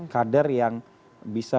kader yang bisa